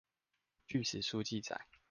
據史書記載